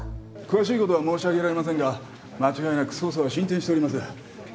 詳しいことは申し上げられませんが間違いなく捜査は進展しております。